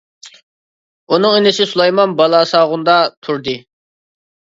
ئۇنىڭ ئىنىسى سۇلايمان بالاساغۇندا تۇردى .